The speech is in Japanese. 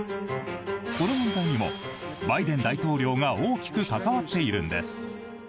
この問題にも、バイデン大統領が大きく関わっているんです。